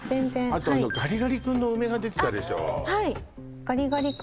あとガリガリ君のうめが出てたでしょあっ